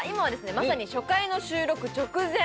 まさに初回の収録直前！